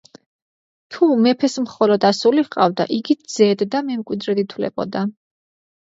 თუ მეფეს მხოლოდ ასული ჰყავდა, იგი „ძედ“ და მემკვიდრედ ითვლებოდა.